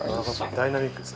ダイナミックです。